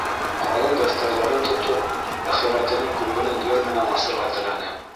Ҡалын дәфтәрҙәрен тотоп, әхирәтенең күңелен йыр менән асырға теләне.